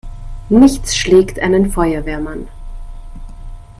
Nichts schlägt einen Feuerwehrmann!